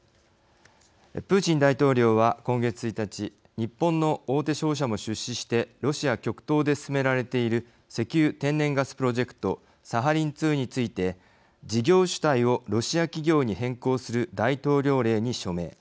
プーチン大統領は今月１日日本の大手商社も出資してロシア極東で進められている石油・天然ガスプロジェクトサハリン２について事業主体をロシア企業に変更する大統領令に署名。